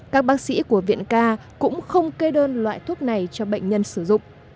các bác sĩ của viện ca cũng không kê đơn loại thuốc này cho bệnh nhân sử dụng